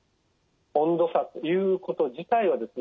温度差ということ自体はですね